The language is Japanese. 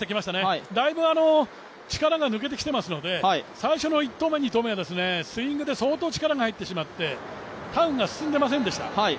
だいぶ力が抜けてきていますので、最初の１投目、２投目はスイングで相当力が入ってしまってターンが進んでませんでした。